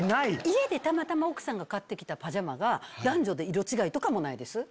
家でたまたま奥さんが買って来たパジャマが男女で色違いとかもないです？